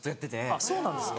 あっそうなんですか。